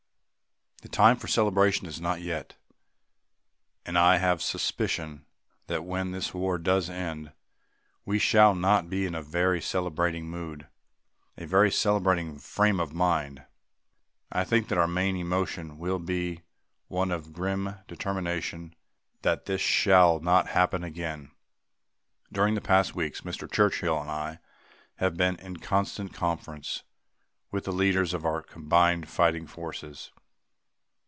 The time for celebration is not yet. And I have a suspicion that when this war does end, we shall not be in a very celebrating mood, a very celebrating frame of mind. I think that our main emotion will be one of grim determination that this shall not happen again. During the past weeks, Mr. Churchill and I have been in constant conference with the leaders of our combined fighting forces.